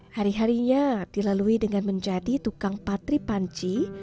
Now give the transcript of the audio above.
hari harinya dilalui dengan menjadi tukang patri panci